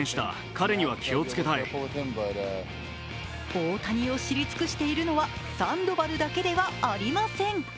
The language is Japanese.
大谷を知り尽くしているのはサンドバルだけではありません。